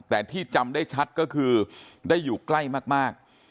แต่ที่จำได้ชัดก็คือได้อยู่ใกล้มาก